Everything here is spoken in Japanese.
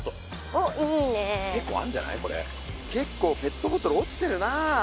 けっこうペットボトル落ちてるなあ。